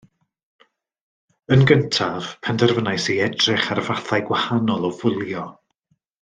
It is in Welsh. Yn gyntaf, penderfynais i edrych ar fathau gwahanol o fwlio